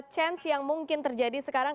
chance yang mungkin terjadi sekarang